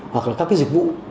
hoặc là các cái dịch vụ